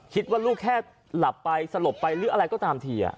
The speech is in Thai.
คิดว่าลูกแค่หลับไปสลบไปหรืออะไรก็ตามที